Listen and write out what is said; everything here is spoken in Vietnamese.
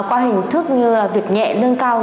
qua hình thức như việc nhẹ lưng cao